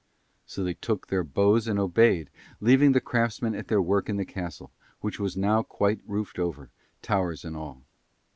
So they took their bows and obeyed, leaving the craftsmen at their work in the castle, which was now quite roofed over, towers and all.